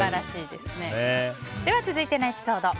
では、続いてのエピソード。